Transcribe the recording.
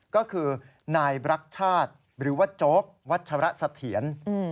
ก็คือนายรักชาติหรือว่าโจ๊กวัชระเสถียร